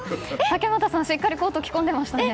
竹俣さんは、しっかりコートを着込んでましたね。